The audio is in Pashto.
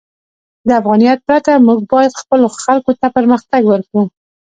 د افغانیت پرته، موږ باید خپلو خلکو ته پرمختګ ورکړو.